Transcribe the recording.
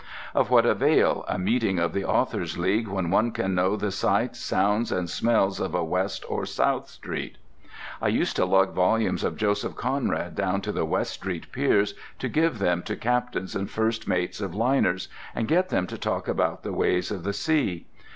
Of what avail a meeting of the Authors' League when one can know the sights, sounds, and smells of West or South Street? I used to lug volumes of Joseph Conrad down to the West Street piers to give them to captains and first mates of liners, and get them to talk about the ways of the sea.